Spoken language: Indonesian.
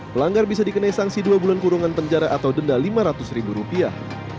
pelanggar bisa dikenai sanksi dua bulan kurungan penjara atau denda lima ratus ribu rupiah